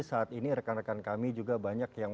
saat ini rekan rekan kami juga banyak yang